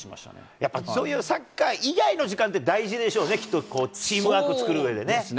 やっぱそういうサッカー以外の時間って大事でしょうね、きっと、チームワーク作るうえでそうですね。